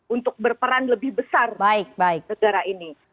untuk berperan lebih besar negara ini